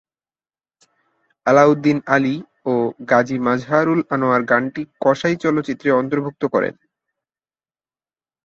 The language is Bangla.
আলাউদ্দিন আলী ও গাজী মাজহারুল আনোয়ার গানটি কসাই চলচ্চিত্রে অন্তর্ভুক্ত করেন।